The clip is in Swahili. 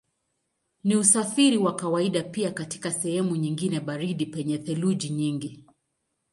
Ni usafiri wa kawaida pia katika sehemu nyingine baridi penye theluji nyingi.